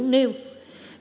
các thành viên chính phủ